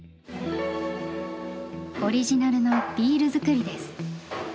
オリジナルのビール造りです。